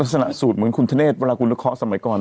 ลักษณะสูตรเหมือนคุณทะเนศวันละครสมัยก่อน